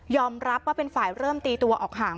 รับว่าเป็นฝ่ายเริ่มตีตัวออกห่าง